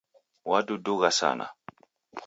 Wadudugha sana